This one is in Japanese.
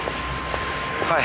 はい。